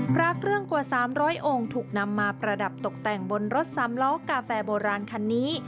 พระเครื่องกว่า๓๐๐องค์ถูกนำมาประดับตกแต่งบนรถสามล้อกาแฟโบราณคันนี้